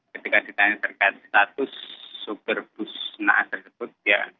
ketika ditanya terkait status sopir bus nahas tersebut